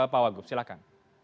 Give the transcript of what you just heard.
pak wagub silahkan